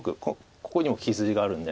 ここにも傷があるんで。